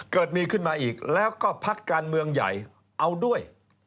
เกิดมีขึ้นมาอีกแล้วก็พักการเมืองใหญ่เอาด้วย